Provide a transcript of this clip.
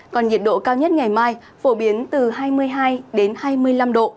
còn nhiệt độ cao nhất ngày mai phổ biến từ hai mươi hai đến hai mươi năm độ